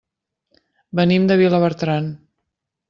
Venim de Vilabertran.